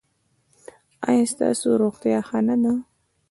ایا ستاسو روغتیا ښه نه ده؟